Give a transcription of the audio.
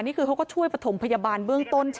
นี่คือเขาก็ช่วยปฐมพยาบาลเบื้องต้น